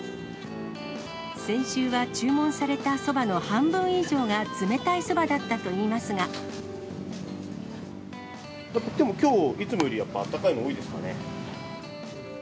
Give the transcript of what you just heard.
先週は注文されたそばの半分以上が冷たいそばだったといいまでもきょう、いつもよりやっぱあったかいの多いですかね。